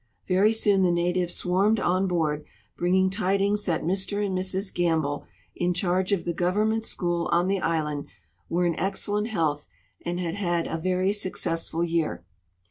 Very soon the natives swarmed on board, bringing tidings that IMr and Mrs Gamble, in charge of the Government school on the island, were in excellent health and had had a very successful year.